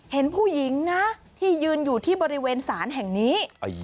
เห็นผู้หญิงนะที่ยืนอยู่ที่บริเวณศาลแห่งนี้